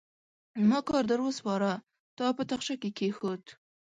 ما کار در وسپاره؛ تا په تاخچه کې کېښود.